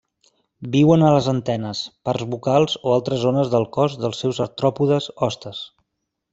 Viuen a les antenes, parts bucals o altres zones del cos dels seus artròpodes hostes.